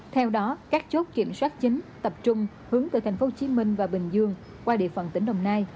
theo đó các chốt kiểm soát chính tập trung hướng từ thành phố hồ chí minh và bình dương qua địa phận tỉnh đồng nai